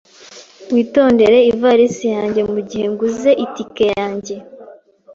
Witondere ivarisi yanjye mugihe nguze itike yanjye.